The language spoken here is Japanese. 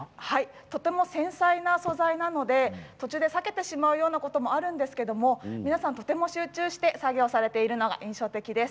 とても繊細な素材なので途中で裂けてしまうようなこともあるんですけれど皆さんとても集中して作業をされているのが印象的です。